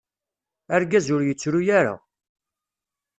Argaz ur yettru ara.